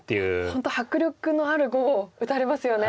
本当迫力のある碁を打たれますよね。